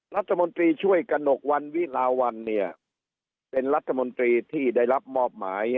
รัฐมนตรีช่วยกระหนกวันวิลาวันเนี่ยเป็นรัฐมนตรีที่ได้รับมอบหมาย